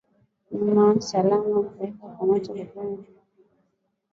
nyumba salama kuwakamata wapinzani na kuwatesa mateka